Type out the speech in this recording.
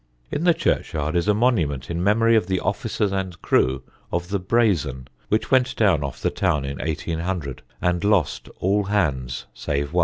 In the churchyard is a monument in memory of the officers and crew of the Brazen, which went down off the town in 1800, and lost all hands save one.